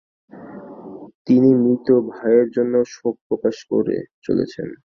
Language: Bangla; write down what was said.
তিনি মৃত ভাইয়ের জন্য শোক প্রকাশ করে চলেছেন।